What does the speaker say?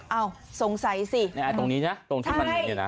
เอ้าสงสัยสิใช่ตรงนี้นะตรงที่ปันหนึ่งอยู่นะ